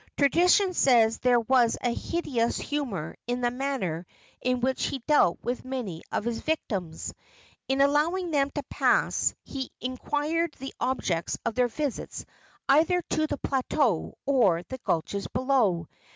Tradition says there was a hideous humor in the manner in which he dealt with many of his victims. In allowing them to pass he inquired the objects of their visits either to the plateau or the gulches beyond.